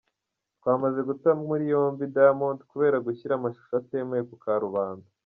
Twamaze guta muri yombi Diamond, kubera gushyira amashusho atemewe ku karubanda.